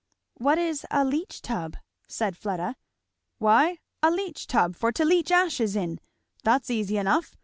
"What is a leach tub?" said Fleda. "Why, a leach tub, for to leach ashes in. That's easy enough.